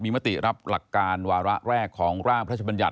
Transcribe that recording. มติรับหลักการวาระแรกของร่างพระชบัญญัติ